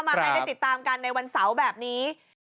มาให้ได้ติดตามกันในวันเสาร์แบบนี้